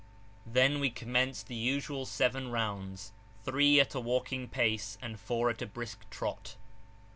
Then we commenced the usual seven rounds, three at a walking pace, and four at a brisk trot.